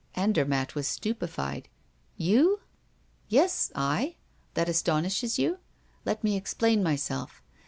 Andermatt was stupefied. "You?" "Yes, I. That astonishes you? Let me explain myself.